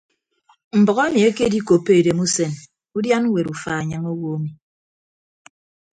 Mbʌk emi ekedikoppo edemusen udian ñwet ufa enyịñ owo emi.